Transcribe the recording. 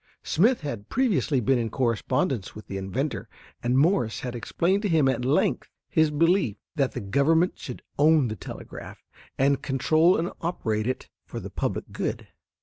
Smith had previously been in correspondence with the inventor, and Morse had explained to him at length his belief that the Government should own the telegraph and control and operate it for the public good.